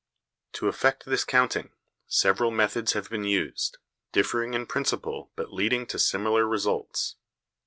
To effect this counting, several methods have been used, differing in principle but leading to similar results.